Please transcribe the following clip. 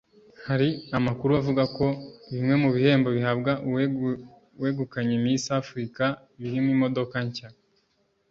Hari amakuru avuga ko bimwe mu bihembo bihabwa uwegukanye Miss Africa birimo imodoka nshya